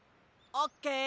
オッケー！